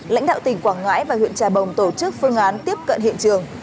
lãnh đạo tỉnh quảng ngãi và huyện trà bồng tổ chức phương án tiếp cận hiện trường